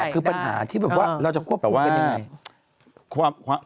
คือปัญหาที่เราจะควบคุมกันอย่างไร